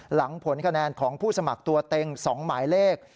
หลังผลคะแนนของผู้สมัครตัวเต็ง๒หมายเลข